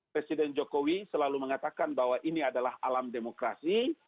presiden jokowi selalu mengatakan bahwa ini adalah alam demokrasi